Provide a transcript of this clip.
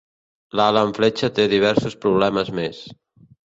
L'ala en fletxa té diversos problemes més.